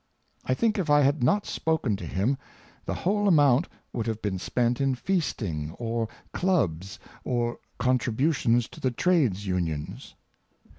I think if I had not spoken to him, the whole amount would have been spent in feasting, or clubs, or contributions to the trades unions.